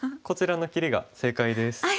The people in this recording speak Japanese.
こちらのキリが正解です。